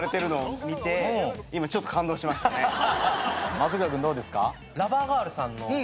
松倉君どうですか？